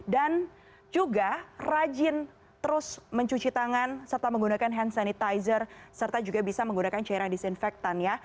dan juga rajin terus mencuci tangan serta menggunakan hand sanitizer serta juga bisa menggunakan cairan disinfektan ya